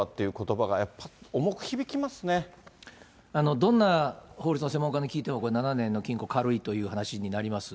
どんな法律の専門家に聞いても、これ７年の禁錮、軽いという話になります。